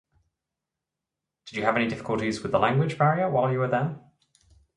Did you have any difficulties with the language barrier while you were there?